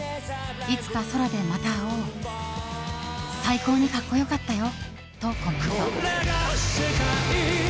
いつか宙でまた会おう最高に格好良かったよと、コメント。